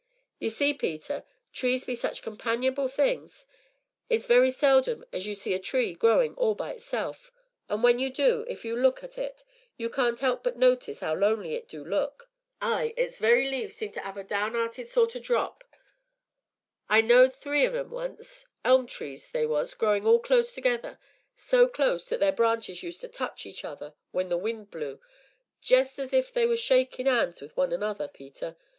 Ye see, Peter, trees be such companionable things; it's very seldom as you see a tree growin' all by itself, an' when you do, if you look at it you can't 'elp but notice 'ow lonely it do look. Ay, its very leaves seem to 'ave a down 'earted sort o' drop. I knowed three on 'em once elm trees they was growin' all close together, so close that their branches used to touch each other when the wind blew, jest as if they was a shakin' 'ands wi' one another, Peter.